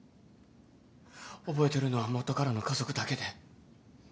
覚えてるのは元からの家族だけで。